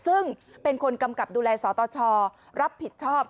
ซึ่งเป็นคนกำกับดูแลสตชรับผิดชอบ